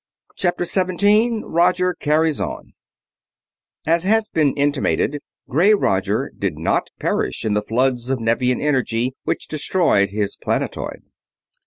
CHAPTER 17 ROGER CARRIES ON As has been intimated, gray Roger did not perish in the floods of Nevian energy which destroyed his planetoid.